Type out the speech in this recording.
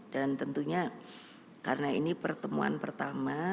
dan tentunya karena ini pertemuan pertama